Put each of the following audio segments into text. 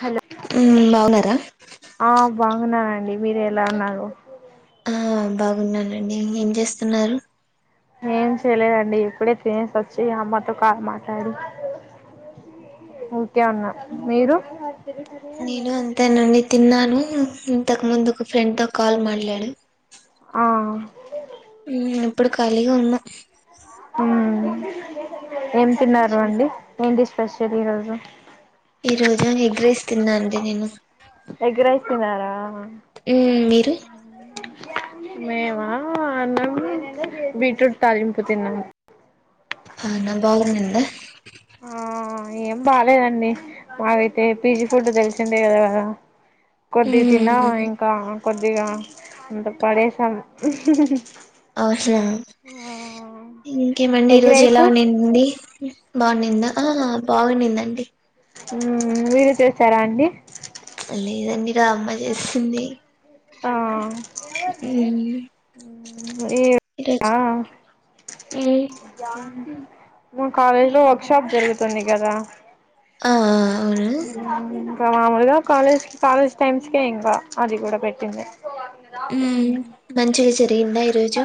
Hello మ్మ్ బాగున్నారా ఆ బాగున్నానండి మీరు ఎలా ఉన్నారు ఆ బాగున్నానండి ఏం చేస్తున్నారు ఏం చేయలేదండి ఇప్పుడే తినేసోచ్చి అమ్మతో కా మాట్లాడి ఊకే ఉన్నా మీరు నేను అంతేనండి తిన్నాను ఉ అంతకు ముందు ఒక ఫ్రెండ్ తో కాల్ మాట్లాడ ఆ ఊ ఇప్పుడు కాలిగావున్న ఊ ఏం తిన్నారు ఇంకేమి అండి ఏం డిష్ స్పెషల్ ఈ రోజు ఈ రోజు ఎగ్రేస్ తిన్నా అండి నేను ఎగ్రైస్ తినారా మ్మ్ మీరు మేమా అన్నం బీట్రూట్ తాలింపు తిన్నాం అవునా బాగా ఉనిందా ఆ ఏం బాలేదండి మాకైతే పీజీ ఫుడ్ తెలిసిందే కదా కొద్ది తిన్నాం మ్మ్ ఇంకా కొద్దిగా అంత పడేశం అవుస ఇంకేమండి ఈ ఎగ్ రోజు రైస్ ఎలా ఉన్నింది బాగుంనిందా మిరు చేసారా అండి లేదండి రా అమ్మ చేసింది ఆ మ్మ్ ఏ ఈరోజు ఆ మ్మ్ మా కాలేజ్ లో వర్క్ షాప్ జరుగుతుంది కదా ఆ అవును ఇంకా మామూలుగా కాలేజ్ కాలేజ్ టైమ్స్కే ఇంకా అది కూడా పెట్టింది మ్ మంచి చే ఎంద ఈరోజు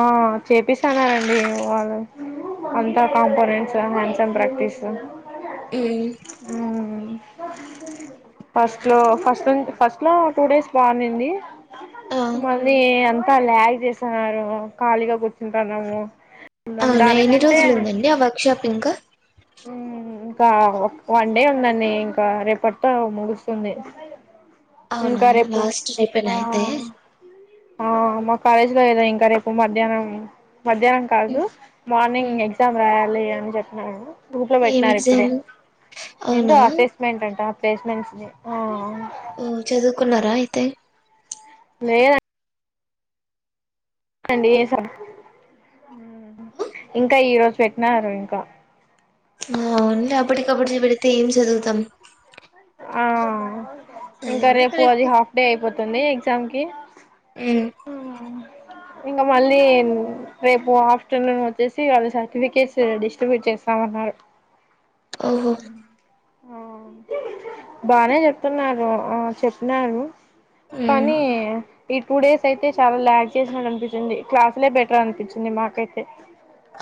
ఆ చేపిస్తున్నండి వ అంతా కాంపోనెంట్స్ హ్యాండ్స్ అండ్ ప్రాక్టీస్ మ్ ఫస్ట్ లో ఫస్ట్ ఫస్ట్ లో టూ డేస్ బాగానే ఉన్నింది వ ఆ అంతా ల్యాగ్ చేస్తున్నారు ఖాళీగా కూర్చుంటాన్నాము అవునా ఎన్ని రోజులు ఉందండి ఆ వర్క్ షాప్ ఇంకా హ్మ్ ఇంక వన్ డే ఉందండి ఇంకా రేపటితో ముగుస్తుంది అవునా ఇంకా రేపు లాస్ట్ ఆ రేపేనా అయితే ఆ మా కాలేజ్ లో ఆ ఇంకా రేపు మధ్యాహ్నం మధ్యాహ్నం కాదు ఉమ్, ఉమ్. మార్నింగ్ ఎగ్జామ్ రా లేయాన్ని చెప్పన్నారు గూపులో ఏం పెట్టినారు ఇప్పుడే ఎగ్జామ్ ఏందో అవునా అసెస్మెంట్ అంట పస్మెంట్స్ ఆ ఆ ఓ చదువుకున్నారా అయితే లేేదం అండి సబ్ ఇంకా ఈ రోజు పెట్టినారు ఇంకా ఆను అప్పటిది అప్పుడే చూపెడితే ఏం చదువుతాం ఆ అది ఇంకా కూడా రేపు అది కరెక్ట్ హాఫ్ డే అయిపో త్ తుంది ఎగ్జామ్ కి ఉమ్ ఇంక మళ్ళీ న్ రేపు ఆఫ్టర్నూన్ వచ్చేసి వాళ్ళు సర్టిఫికెట్స్ డిస్ట్రిబ్యూట్ చేస్తామన్నారు ఓహో ఆ బానె చెప్తున్నారు ఆ చెప్పినారు ఉమ్, కానీ ఈ టూ డేస్ అయితే చాల ల్యాగ్ చేసినట్టు అనిపించింది క్లాస్లే బెటర్ అనిపించింది మాకైతే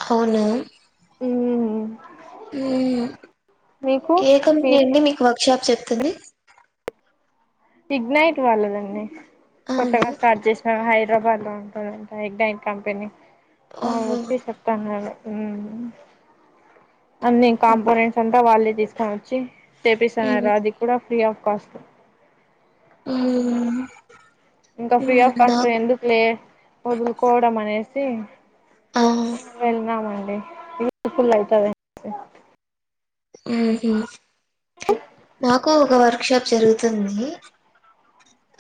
హవును ఉమ్ ఏ ఏ మీ కంపెనీ అండి మీకు వర్క్ స్విచ్చాఫ్ చేస్తుంది విడ్నైట్ వాళ్లది దండి అవును పక్కన స్టార్ట్ చేసినా హైద్రాబాద్ లో ఉంట దంట ఎక్డైన్ కంపెనీ అవును ఓహో వచ్చి చెప్తాన్ అన్నారు అన్ని కాంపొనెంట్స్ అంతా వాళ్ళే డిస్ కౌంట్ చెయి చేపిస్తునార అది కూడా ఫ్రీ ఆఫ్ కాస్త ఉమ్ ఇంకా ఫ్రీ ఆఫ్ కాస్ట్ నాకు ఎందుక్ లే వదులుకోవడం అనేది ఎస్సే వెళ్దామండి ఫుల్ లైతది ఇంకా ఒహో మాకు ఒక వర్క్ షాప్ జరుగుతుంది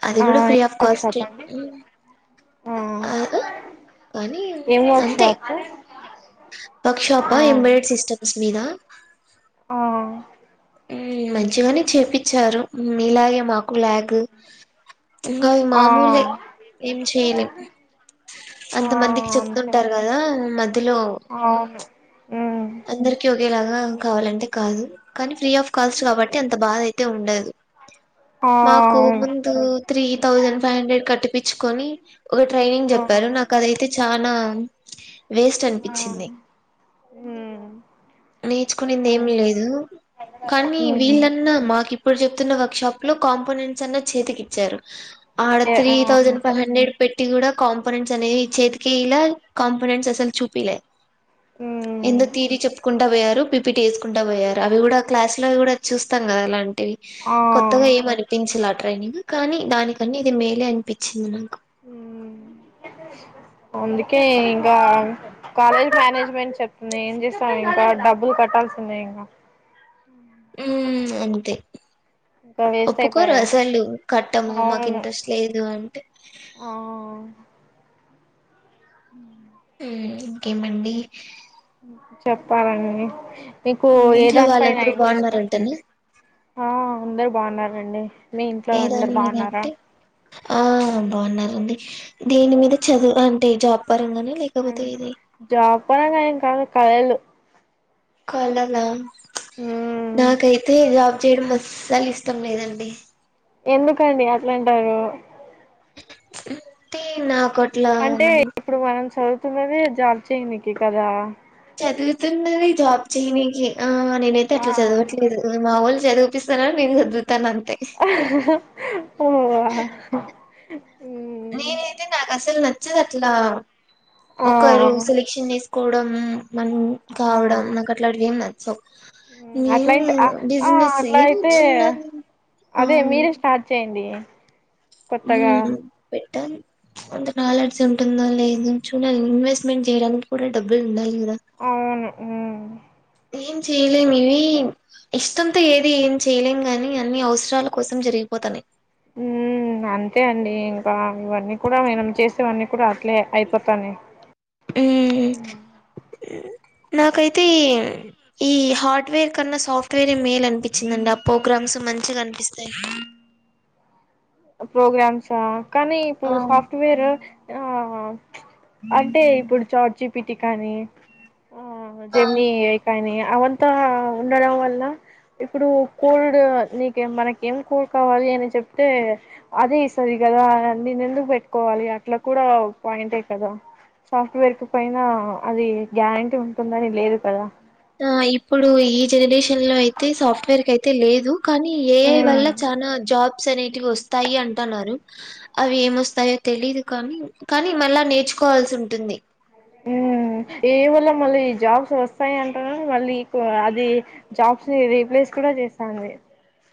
అది అనేసి ఆ కూడ ఏం ఫ్రీ ఆఫ్ వర్క్ షాప్ కాస్టె అండి ఆ కానీ ఏం వర్క్ అంతే షాప్ వర్క్ షాపా ఆ ఎంబెడెడ్ సిస్టమ్స్ మీద ఆ ఉమ్ మంచిగానె చేపిచ్చారు ఇలాగే మాకు లాగు ఇంకా ఆ మామూలే ఏం చేయలేం ఆ అంతమందికి అంతే చెప్తుంటారు అండి కదా మధ్యలో అవును ఉమ్ అందరికి ఒకేలాగా కావాలంటే కాదు కానీ ఫ్రీ ఆఫ్ కాస్ట్ కాబట్టి అంత బాధ అయి ఉండదు ఆ మాకు అవును ముందు త్రీ థౌజండ్ ఫైవ్ హండ్రెడ్ కట్టి పిచ్చుకొని ఒక ట్రైనింగ్ ఆ చెప్పారు నాకు అదైతే చాన్ నా వేస్ట్ ఆ అనిపించింది ఉమ్ నేర్చుకునింది ఏమి లేదు కానీ ఉమ్ వీళ్లన్నా మాకి ఇప్పుడు చెప్తున్న వర్క్ షాప్ లో కాంపోనెంట్స్ అన్ని చేతికి ఇచ్చారు ఆడ ఏ త్రి ఆ థౌసండ్ ఫైవ్ హండ్రెడ్ పెట్ ఇట్టి కూడా కాంపోనెంట్స్ అనేవి చేతికి ఇలా కాంపనెంట్స్ అసలు చూపిలే ఉమ్ ఎందో తీరి చెప్పుకుంటా పోయారు పిపిటీ వేసుకుంటా పోయారు అవి కూడా క్లాస్ లో కూడా చూస్తాం కదా అలాం వి ఆ కొత్తగా ఏమీ అనిపించలా ట్రైనింగ్ కానీ దానికన్ని ఇది మేలే అనిపించింది నాకు హ్మ్ అందుకే ఇంకా కాలేజ్ మేనేజ్మెంట్ చెప్తుంది ఏం చేస్తా ఇంకా డబ్బులు కట్టాల్సిందే ఇంకా హ్మ్ అంతే ఇంకా వేస్ట్ ఒప్పుకోరు అయిపోయా అసలు కట్టము మాకు అవును ఇంట్రెస్ట్ లేదు అంటే ఆ ఉ ఇంకేమండి చెప్పాలండి మీకు ఏ ఇంట్లో దానిపై నా వాళ్ళందరూ ఇంట్రెస్ట్ బాగున్నారంటనే ఆ అందరు బాగున్నారు అండి మీ ఇంట్లో ఏదాని అందరు మీద బావ్న్నారా. అంటే ఆ బాగున్నారండి దీని మీద చదువు అంటే జాబ్ పరంగానే లేకపోతే ఇది పోనంగా ఏం కాదు కలలు కలలా మ్మ్ నా కైతే జాబ్ చేయడం మసల్ ఇష్టం లేదండి ఎందుకండి అట్లా అంటారు తే నా అంటే ఇప్పుడు మనం చదువు తున్నది జాబ్ చేయానికే కాదా చదువుతున్నది జాబ్ చేయనీకి ఆ నేనైతే ఆ అట్లా చదవట్లేదు మా వోలు చదుపిస్తరా నిన్ను తన్ అంతే హ మ్మ్ నేనాయితే నాకస్సలు నాచ్చదట్లా ఆ ఒకరు సెలక్షన్ చేస్ కోడమ్మ్ మనము కావడం నాకు అట్లాంటివేం నాచ్ ఉహ్మ్ అట్లాంటి ఆ బిజినెస్ అట్లా ఏదో అయితే. చిన్నది ఆ అదే మీరే స్టార్ట్ చేయండి. ఇగ ఉహ్మ్ తాన్ అంత నాలెడ్జ్ ఉంటుందో లేద్ చిన్న ఇన్వెస్ట్మెంట్ చేయడానికి. కూడా డబ్బులు ఉండాలి గ్ అవును ఉహ్ ఏం చేయలేము ఇవి ఇష్టంతో ఏది ఏం చేయలేం గాని. అన్ని అవసరాల కోసం జరిగిపోతాన్నాయి. ఉహ్మ్ అంతే అండి ఇంకా. ఇవన్నీ కూడా మనం చేసేవన్నీ కూడా లే అయిపోతనాయ్ మ్మ్ నాకైతే ఈ ఈ హార్డ్వేర్ కన్నా, సాఫ్ట్వేర్ మేల్ అనిపించిందండి. ఆ ప్రోగ్రామ్స్ మంచిగా అనిపిస్తాయి. ప్రోగ్రామ్ సా కానీ ఇప్పుడు ఆ సాఫ్ట్వేర్ ఆహ్ అంటే ఇప్పుడు చాట్ జిప్ ప్పీటికాని ఆ ఆ జెమిని ఎయిటయిందిగా అవంతా ఉండడం వల్ల. ఇప్పుడు కోల్డ్ నీక మనక ఏం కూల్ కావాలి అని చెప్తే. అదే సరిగా కదా నీను ఎందుకు పెట్టుకోవాలి అట్లా కూడా పాయింటే కదా. సాఫ్ట్వేర్ కి పైన అది గ్యారంటీ ఉంటుందని లేదు కదా. ఆ ఇప్పుడు ఈ జనరేషన్ లో అయితే. సాఫ్ట్వేర్ కాయితే లేదు. కానీ ఏఐ అవునా వల్ల చనా జాబ్ ప్స్ అనేటివి వస్తాయి అంటున్నారు. అవి ఏమొస్తాయో తెలీదు కానీ. కానీ మళ్ళా నేర్చుకోవాల్సి ఉంటుంది. ఉహ్మ్ ఏవోల్ల మళ్ళీ జాబ్స్ వస్తాయి. అంటునర్ మళ్ళీ ఇప్ అది జాబ్స్ ని రీప్లేస్ కూడా చేస్తాంది.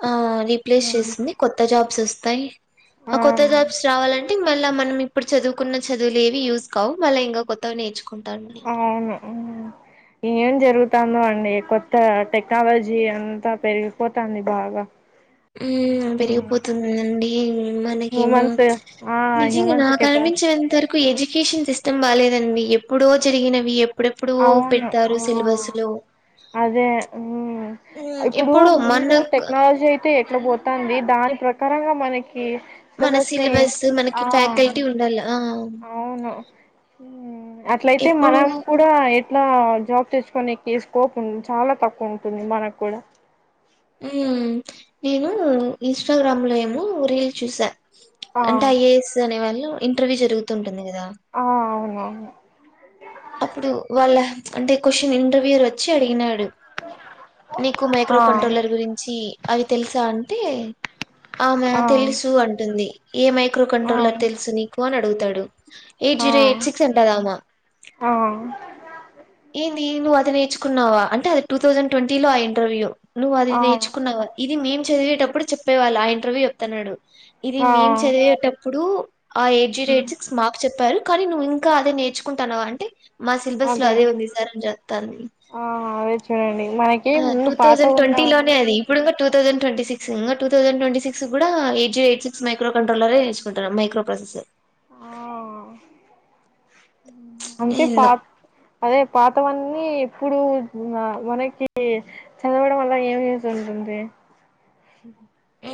ఆ రీప్లేస్ ఉమ్ చేస్తుంది కొత్త జాబ్ సస్తాయి. ఆ కొత్త జాబ్స్ రావాలండ్ టి మల్ల మనం ఇప్పుడు చదువుకున్న చదువుల్ ఏవి యూస్ కావు. మళ్ ఇంకా కొత్త నేర్చుకో నుకుంటండి ఉహ్ ఏం జరుగుతందో అండి. కొత్తగా టెక్నాలజీ అంతా పెరిగిపోతంది బాగా. ఊ ఉమ్. పెరిగిపోతుందిండి మనకేమో హ్యూమన్స్ ఆ నిజంగా హ్యూమన్స్ నాకు కెపా అనిపించేంత వరకు ఎజు ఎడ్యుకేషన్ సిస్టమ్ బాలేదండి ఎప్పుడో జరిగినవి ఎప్ అవును ఆ అదే ఊ హ్మ్ ఇప్పుడు ఎప్పుడో ముందు మనకు టెక్నాలజీ అయితే ఎట్ల పోతు తాంది దాని ప్రకారంగా మనకి మన సిలబస్ మనకి ఆ ఫ్యాకల్టీ ఉండల్ల ఆ అవును ఊ అట్లయితే ఎప్పుడు మనం కూడా ఎట్లా జాబ్ తెచ్చుకునేకి స్కోప్ ఉ చాలా తక్కువ ఉంటుంది మనకు కూడా ఊ నేను ఇన్స్టాగ్రామ్ లో ఏమో రీల్ చూసా ఆ అంటే ఐఏఎస్ అనేవాళ్ళు ఇంటర్వ్యూ జరుగుతుం టుంది కదా అవును. అప్పుడు వాళ్ళ అంటే క్వశ్చన్ ఇంటర్వ్యూర్ వచ్చి అడిగినాడు. నీకు ఆ మైక్రో కంట్రోలర్ గురించి అవి తెలుసా అంటే ఆమె ఆ తెలుసు అంటుంది. ఏ మైక్రో ఆ కంట్రోలర్ తెలుసు నీకు అని అడుగుతు దడు ఎయిట్ జీరో ఎయిట్ సిక్స్ అంటదామే ఆహా! ఏంది నువ్వు అది నేర్చుకున్నావా అంటే అది టూ థౌజండ్ ట్వంటీ లో ఆ ఇంటర్వ్యూ నువ్వు అది ఆ నేర్చుకున్నావ ఇది మెయిన్ చదివేటప్పుడు చెప్పేవాళ్ళు ఆ ఇంటర్వ్యూ చెప్తన్నాడు. ఇది ఆ మేం చదివేటప్పుడు ఆ ఎయిట్ జీరో ఎయిట్ సిక్స్ మాకు చెప్పారు. కానీ నువ్వు ఇంకా అదే నేర్చుకుంటాన్నావా అంటే మా శిల్ అదే ఉంది సర్ అని చెప్తాంది. ఆ అదే చూడండి మనకి ఆ ముందు టూ పాత తౌజండ్ ట్వంటీ లోనే ఉన్నవన్నీ అది ఇప్పుడింగా టూ తౌసాండ్ ట్వంటీ సిక్స్ ఇంగ టూ థౌసండ్ ట్ంటీ సిక్స్ కూడా eight zero eight six micro కంట్రోలరేసుకుంటారు మైక్రో ప్రాసెసర్ ఆ అంటే ఏందో పాత అదే పాతవన్నీ ఇప్పుడు మ మనకి చదవడం వల్ల ఏం యూస్ ఉంటుంది. ఊ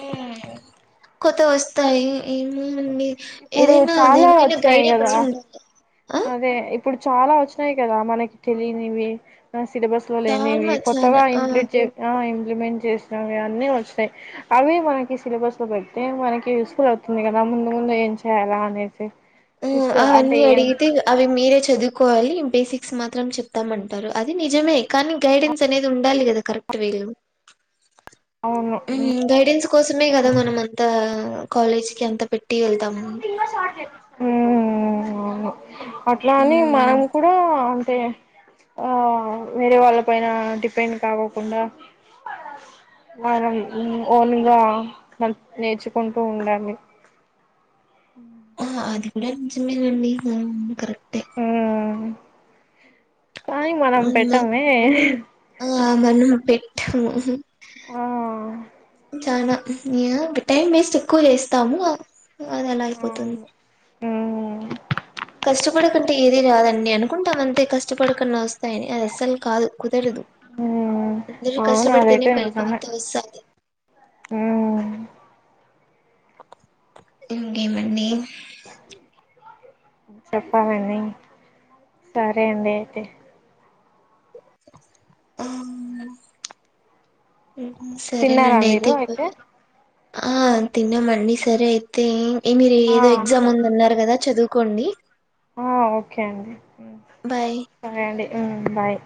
కొత్త వస్తాయి ఏమో ముందే ఇప్పుడు ఏదైనా చాలా దేనికైనా వచ్చినాయి గైడెన్స్ కదా ఉండాలి. ఆ అదే ఇప్పుడు చాలా వచ్చినాయి కదా మనకి తెలియనివి సిలబస్ లో లేని వి‌ చాలా కొత్తగా చాలా ఆ! ఇంప్లీట్ చే ఆ ఇంప్లిమెంట్ చేసినవి అన్నీ వచ్చినాయి అవి మనకి సిలబస్లో పెడితే మనకి యూజస్ఫుల్ అవుతుంది కదా ముందు ముందు ఏం చేయాలా అనేసి ఆ ఇష్ట అంటే అవన్నీ ఏం అడిగితే అవి మీరే చదువుకోవాలి బేసిక్స్ మాత్రం చెప్తామ అంటారు అది నిజమే కానీ గైడెన్స్ అనేది ఉండాలి కదా కరెక్ట్ వే లో అవును గైడెన్స్ కోసమే కదా మనం అంతా కాలేజ్ కి అంత పెట్ వెళ్తాము హ్మ్ అవును అట్లా అని మనం హ్మ్. కూడా అంటే ఆ వేరే వాళ్ళ పైన డిపెండ్ కావకుండా మనం ఓన్గా నేర్చుకుంటూ ఉండాలి ఆ! అది కూడా నిజమేనండి అవును కరక్ట్ ఉమ్ కానీ మనం హ్మ్. పెట్టమే ట్టాము ఆ చనా యే టైం వేస్ట్ ఎక్కువ చేస్తాము అది ఎలా అయిపోతుంది ఉ కష్టపడకంటే ఏది రాదని అనుకుంటాం అంతే కష్టపడకన్నా వస్తాయని అది అస్సలు కాదు కుదరదు మ్మ్ మీరు అవును కష్టపడితేనే అదైతే ఫలితం నిజమే అంతా వస్తాది మ్మ్ ఇంకే మండి చెప్పాలండి సరే అండి అయితే ఆ తిన్నారా సరేనండి మీరు అయితే ఇ ఆ తిన్న మండి సర అయితే మీరు ఆ ఏదో ఎగ్జామ్ ఉందిన్నారు కదా చదువు కోండి ఆ ఓకే అండి బాయ్ సరే అండి ఉమ్ బాయ్